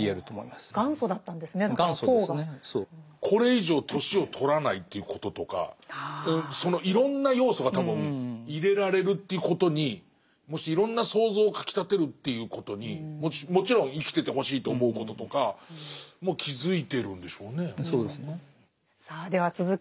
これ以上年を取らないということとかそのいろんな要素が多分入れられるということにいろんな想像をかきたてるということにもちろん生きててほしいと思うこととかもう気付いてるんでしょうね恐らく。